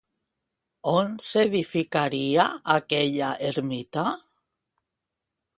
On s'edificaria aquella ermita?